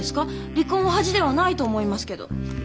離婚は恥ではないと思いますけど。